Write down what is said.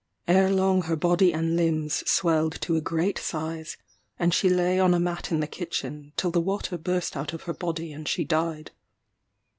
Ere long her body and limbs swelled to a great size; and she lay on a mat in the kitchen, till the water burst out of her body and she died.